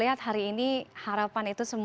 indikasi lebih della kuasal